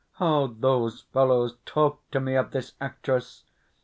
How those fellows talked to me of this actress!